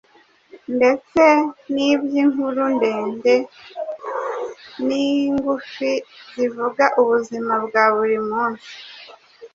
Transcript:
ndetse n’iby’inkuru ndende n’ingufi zivuga ubuzima bwa buri munsi